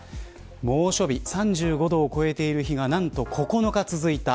猛暑日３５度を超えている日がなんと９日続いた。